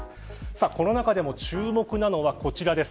この中でも注目なのはこちらです。